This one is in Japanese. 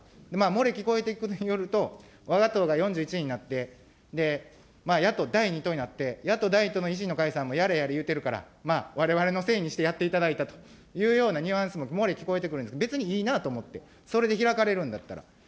漏れ聞こえてくるところによるとわが党が４１人になって、野党第２党になって、野党第２党の維新の解散もやれやれ言うてるから、われわれのせいにしてやっていただいたというようなニュアンスも漏れ聞こえてくるんですが、別にいいなと思って、それで開かれるんだったら。